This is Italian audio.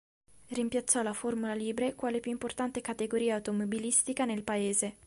Rimpiazzò la Formula Libre quale più importante categoria automobilistica nel Paese.